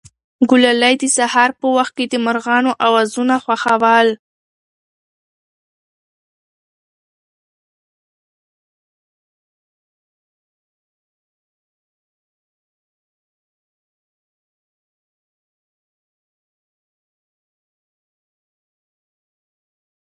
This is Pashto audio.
د نجونو د تعلیم ملاتړ د ټولنې مسؤلیت دی.